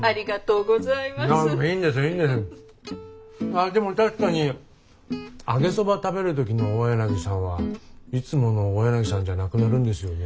あでも確かに揚げそば食べる時の大柳さんはいつもの大柳さんじゃなくなるんですよね。